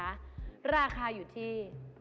ราคาอยู่ที่